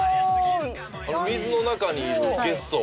水の中にいるゲッソー。